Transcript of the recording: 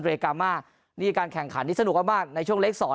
เดร์กามานี่การแข่งขันที่สนุกกว่ามากในช่วงเลกสอง